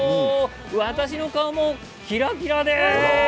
私の顔もキラキラです。